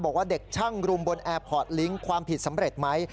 บอกว่าเด็กช่างรุมบนแอร์พอร์ตลิงค์ความผิดสำเร็จไหม